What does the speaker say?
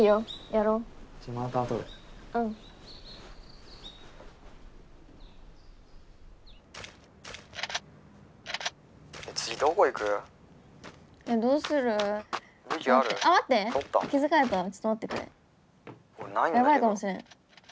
やばいかもしれん。